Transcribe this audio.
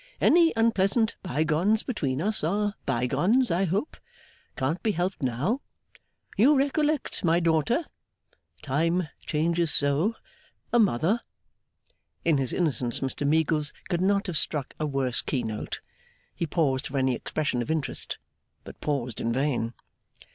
Any unpleasant bygones between us are bygones, I hope. Can't be helped now. You recollect my daughter? Time changes so! A mother!' In his innocence, Mr Meagles could not have struck a worse key note. He paused for any expression of interest, but paused in vain.